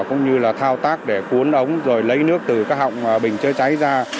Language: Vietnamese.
cũng như là thao tác để cuốn ống rồi lấy nước từ các họng bình chữa cháy ra